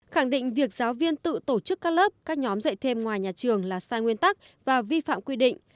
khẳng định việc giáo viên tự tổ chức các lớp các nhóm dạy thêm ngoài nhà trường là sai nguyên tắc và vi phạm quy định